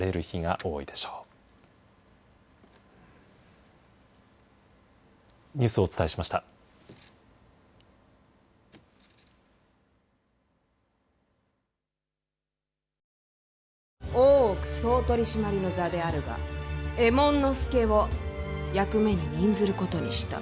大奥総取締の座であるが右衛門佐を役目に任ずることにした。